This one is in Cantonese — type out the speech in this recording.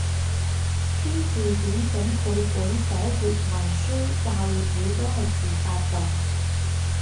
編字典整繪本寫粵文書教粵語都係自發做